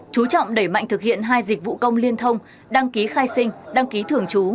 chú trọng đẩy mạnh thực hiện hai dịch vụ công liên thông đăng ký khai sinh đăng ký thường trú